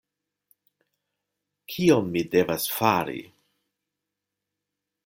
Kion mi devas fari?